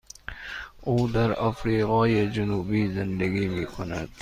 او در آفریقای جنوبی زندگی می کند.